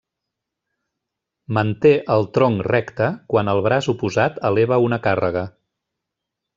Manté el tronc recte quan el braç oposat eleva una càrrega.